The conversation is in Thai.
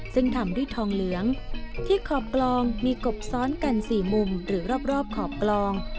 ซึ่งทำด้วยทองเหลืองที่ขอบกลองมีกบซ้อนกัน๔มุมหรือรอบขอบกลอง